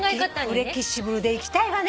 フレキシブルでいきたいわね